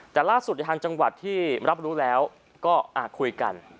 แต่ล่าสุดในทางจังหวัดที่รับรู้แล้วก็คุยกัน